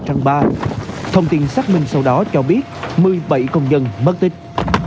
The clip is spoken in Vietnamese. tháng ba thông tin xác minh sau đó cho biết một mươi bảy công nhân mất tích